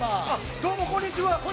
◆どうも、こんにちは。